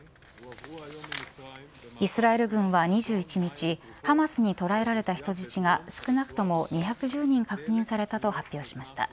イスラエル軍は、２１日ハマスに捕らえられた人質が少なくとも２１０人確認されたと発表しました。